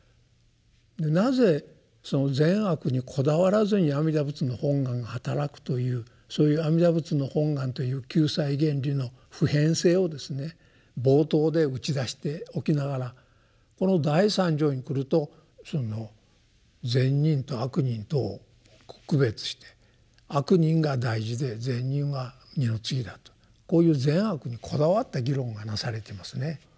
なぜ善悪にこだわらずに阿弥陀仏の本願がはたらくというそういう阿弥陀仏の本願という救済原理の普遍性をですね冒頭で打ち出しておきながらこの第三条にくると「善人」と「悪人」とを区別して「悪人」が大事で「善人」は二の次だとこういう善悪にこだわった議論がなされてますね。